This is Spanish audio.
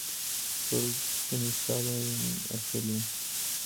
Fue organizado en Argelia.